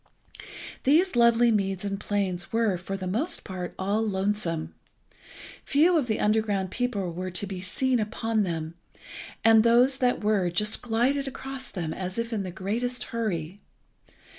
These lovely meads and plains were, for the most part, all lonesome. Few of the underground people were to be seen upon them, and those that were just glided across them as if in the greatest hurry.